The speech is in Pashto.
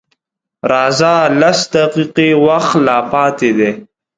_راځه! لس دقيقې وخت لا پاتې دی.